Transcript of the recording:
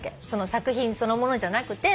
作品そのものじゃなくて。